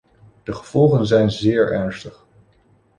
De gevolgen zijn zeer ernstig.